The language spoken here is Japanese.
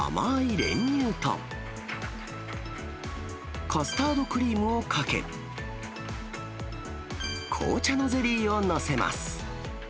練乳と、カスタードクリームをかけ、紅茶のゼリーを載せます。